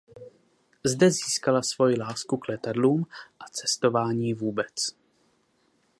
Zde získala svojí lásku k letadlům a cestování vůbec.